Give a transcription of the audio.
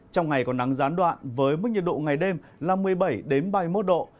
trong ngày có nắng gián đoạn với mức nhiệt độ ngày đêm là một mươi bảy ba mươi một độ